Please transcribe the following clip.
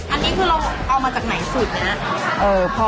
อันนี้คือเราเอามาจากไหนสุดเนี่ยน่ะครับ